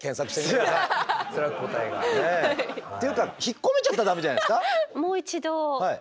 答えが。っていうか引っ込めちゃったらダメじゃないですか。